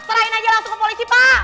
serahin aja langsung ke polisi pak